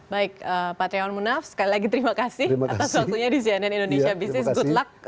baik pak treon munaf sekali lagi terima kasih atas waktunya di cnn indonesia business